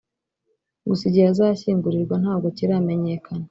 gusa igihe azashyingurirwa ntabwo kiramenyekana